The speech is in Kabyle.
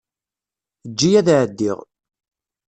Eǧǧ-iyi ad ɛeddiɣ.